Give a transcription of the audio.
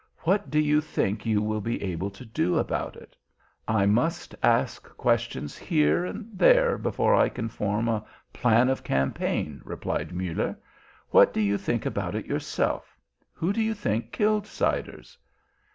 "What do you think you will be able to do about it?" "I must ask questions here and there before I can form a plan of campaign," replied Muller. "What do you think about it yourself? Who do you think killed Siders?"